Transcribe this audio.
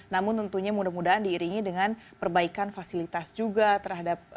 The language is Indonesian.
namun tentunya mudah mudahan diiringi dengan perbaikan fasilitas juga terhadap